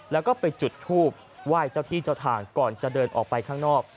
แล้วก็ไปจุดทูบไหว้เจ้าที่เจ้าทางก่อนจะเดินออกไปข้างนอก